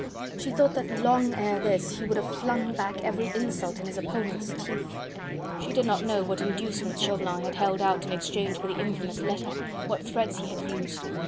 She thought that long ere this he would have flung back every insult in his opponent's teeth; she did not know what inducements Chauvelin had held out in exchange for the infamous letter, what threats he had used.